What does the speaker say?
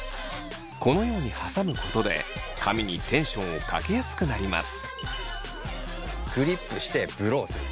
このようにはさむことで髪にテンションをかけやすくなります。